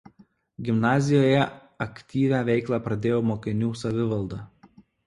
Gimnazijoje aktyvią veiklą pradėjo mokinių savivalda.